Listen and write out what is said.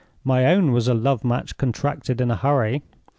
My own was a love match contracted in a hurry.